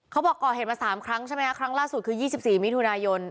เขาบอกก่อเห็นมาสามครั้งใช่ไหมครั้งล่าสุดคือยี่สิบสี่มิถุนายน